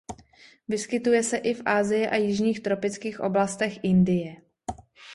Vyskytuje se i v Asii a jižních tropických oblastech Indie.